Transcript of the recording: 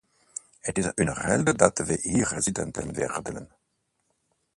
Het is hún geld dat we hier zitten te verdelen.